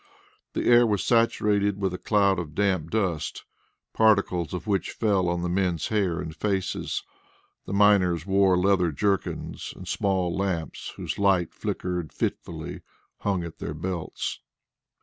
The air was saturated with a cloud of damp dust, particles of which fell on the men's hair and faces. The miners wore leather jerkins, and small lamps, whose light flickered fitfully, hung at their belts.